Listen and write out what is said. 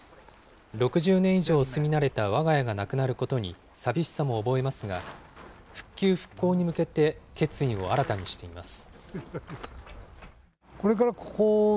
６０年以上住み慣れたわが家がなくなることに寂しさも覚えますが、復旧・復興に向けて決意を新たにしています。